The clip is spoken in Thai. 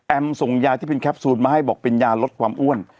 ส่งยาที่เป็นแคปซูลมาให้บอกเป็นยาลดความอ้วน